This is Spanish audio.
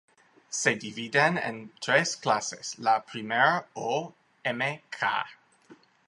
Se dividen en tres clases: la primera o Mk.